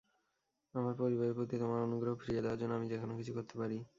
আমার পরিবারের প্রতি তোমার অনুগ্রহ ফিরিয়ে দেওয়ার জন্য আমি যেকোন কিছু করতে পারি।